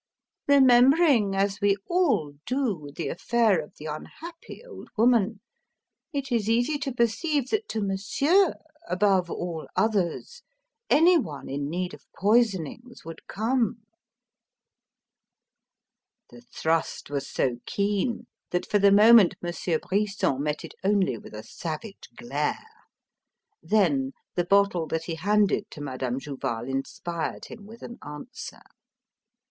Remembering, as we all do, the affair of the unhappy old woman, it is easy to perceive that to Monsieur, above all others, any one in need of poisonings would come!" The thrust was so keen that for the moment Monsieur Brisson met it only with a savage glare. Then the bottle that he handed to Madame Jouval inspired him with an answer.